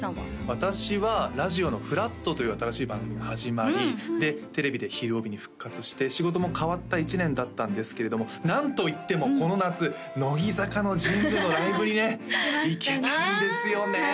私はラジオの「＃ふらっと」という新しい番組が始まりでテレビで「ひるおび」に復活して仕事も変わった１年だったんですけれども何といってもこの夏乃木坂の神宮のライブにね行けたんですよね